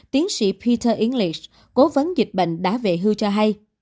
tiến sĩ peter english cố vấn dịch bệnh đã vệ hư cho hay